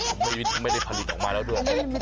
ผมไม่ได้ผลิตออกมาแล้วด้วย